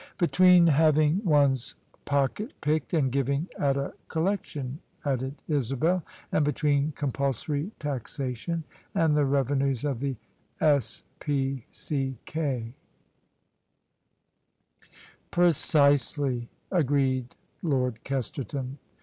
"Between having one's pocket picked and giving at a collection," added Isabel: "and between compulsory taxa tion and the revenues of the S.P.C.K." THE SUBJECTION " Precisely," agreed Lord Kesterton.